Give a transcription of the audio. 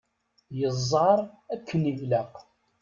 Yeẓẓar akken ilaq.